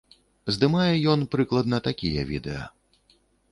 Здымае ён прыкладна такія відэа.